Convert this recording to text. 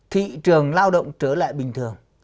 thị trường lao động trở lại bình thường